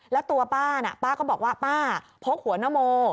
แล้วตัวป้าน่ะป้าก็บอกว่าป้าพกหัวนโม